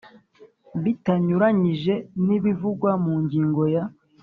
Bitanyuranyije n ibivugwa mu ngingo ya